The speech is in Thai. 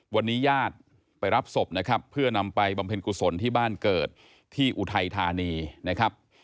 วันนี้ญาติไปรับศพนะครับเพื่อนำไปบำเพ็ญกุศลที่บ้านเกิดที่อุทัยธานีนะครับ